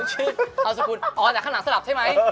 อ๋อแต่ข้างหลังสลับใช่ไหม